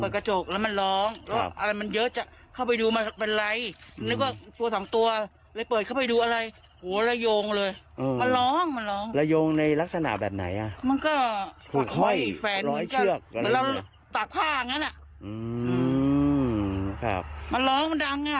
ครับมันร้องมันดังน่ะเพราะเข้ามาอย่างงี้มันได้ยินชัดน่ะ